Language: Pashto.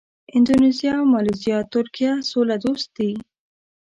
اندونیزیا، مالیزیا، ترکیه سوله دوست دي.